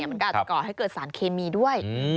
มันก็อาจจะก่อให้เกิดสารเคมีด้วย